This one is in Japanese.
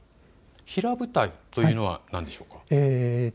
平舞台というのは何でしょうか。